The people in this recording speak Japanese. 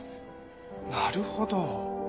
なるほど。